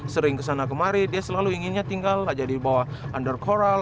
sering kesana kemarin dia selalu inginnya tinggal aja di bawah under coral